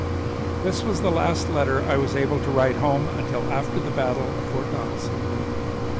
This was the last letter I was able to write home until after the battle of Fort Donelson.